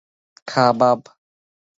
খা, বাব।